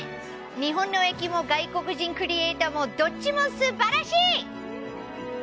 日本の駅も、外国人クリエーターも、どっちもすばらしい。